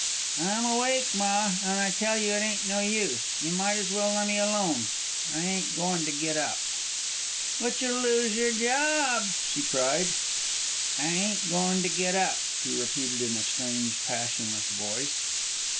"I'm awake, ma, an' I tell you it ain't no use. You might as well lemme alone. I ain't goin' to git up." "But you'll lose your job!" she cried. "I ain't goin' to git up," he repeated in a strange, passionless voice.